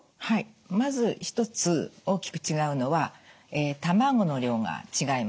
はいまず一つ大きく違うのは卵の量が違います。